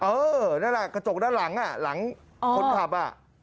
เออนั่นแหละกระจกด้านหลังอ่ะหลังคนขับอ่ะ